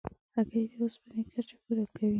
هګۍ د اوسپنې کچه پوره کوي.